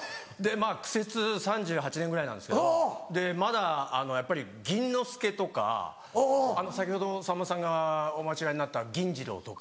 まぁ苦節３８年ぐらいなんですけどまだやっぱり「ぎんのすけ」とか先ほどさんまさんがお間違えになった「ぎんじろう」とか。